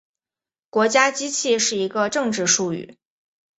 国家机器是一个政治术语。